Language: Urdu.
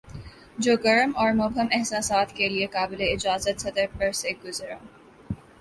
جو گرم اور مبہم احساسات کے لیے قابلِاجازت سطر پر سے گزرا